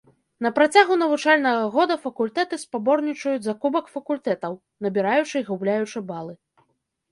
На працягу навучальнага года факультэты спаборнічаюць за кубак факультэтаў, набіраючы і губляючы балы.